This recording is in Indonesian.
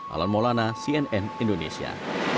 alan molana cnn indonesia